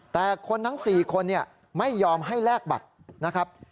แต่คนทั้ง๔คนไม่ยอมให้แลกบัตรนะครับ